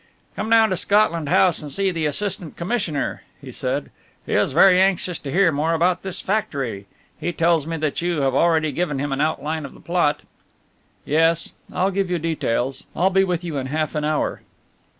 "Come down to Scotland House and see the Assistant Commissioner," he said, "he is very anxious to hear more about this factory. He tells me that you have already given him an outline of the plot." "Yes I'll give you details I'll be with you in half an hour."